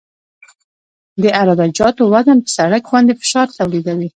د عراده جاتو وزن په سرک باندې فشار تولیدوي